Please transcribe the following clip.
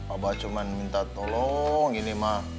abah cuma minta tolong ini mah